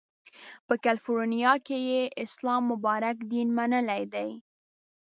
په کالیفورنیا کې یې اسلام مبارک دین منلی دی.